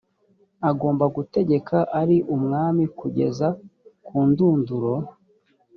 agomba gutegeka ari umwami kugeza kundunduro